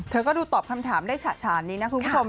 เธอก็ดูตอบคำถามได้ฉะฉานนี้นะคุณผู้ชม